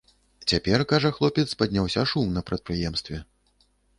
Цяпер, кажа хлопец, падняўся шум на прадпрыемстве.